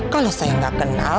kalau saya gak kenal